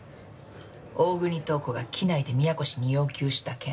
大國塔子が機内で宮越に要求した件。